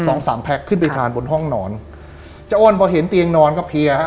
สองสามแพ็คขึ้นไปทานบนห้องนอนเจ้าอ้นพอเห็นเตียงนอนก็เพลียฮะ